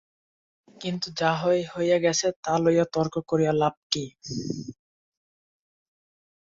কিন্তু যা হইয়া গেছে তা লইয়া তর্ক করিয়া লাভ কী?